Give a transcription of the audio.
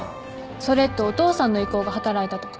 それってお父さんの意向が働いたとか。